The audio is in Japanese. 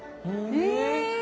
え！